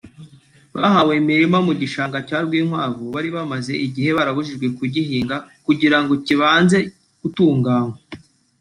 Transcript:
bahawe imirima mu gishanga cya Rwinkwavu bari bamaze igihe barabujijwe guhinga kugira ngo kibanze gutunganywa